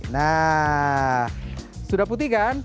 nah sudah putih kan